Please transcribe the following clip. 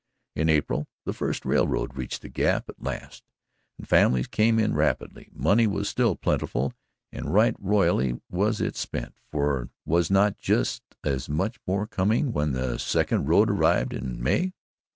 In April, the first railroad reached the Gap at last, and families came in rapidly. Money was still plentiful and right royally was it spent, for was not just as much more coming when the second road arrived in May?